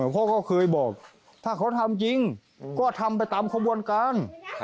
เขาก็เคยบอกถ้าเขาทำจริงก็ทำไปตามขบวนการ